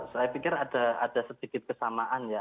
saya pikir ada sedikit kesamaan ya